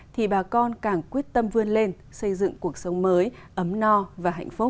thì bà con càng quyết tâm vươn lên xây dựng cuộc sống mới ấm no và hạnh phúc